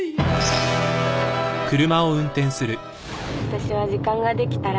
私は時間ができたら。